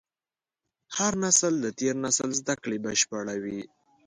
هر نسل د تېر نسل زدهکړې بشپړوي.